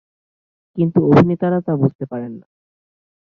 কিন্তু অভিনেতারা তা বুঝতে পারে না।